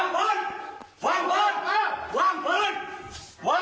เช้า